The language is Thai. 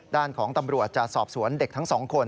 ด้านของตำรวจจะสอบสวนเด็กทั้งสองคน